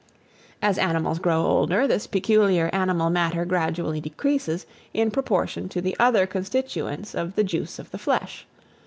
As animals grow older, this peculiar animal matter gradually decreases, in proportion to the other constituents of the juice of the flesh.